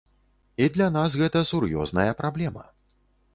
І для нас гэта сур'ёзная праблема.